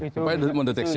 supaya di deteksi